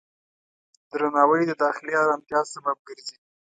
درناوی د داخلي آرامتیا سبب ګرځي.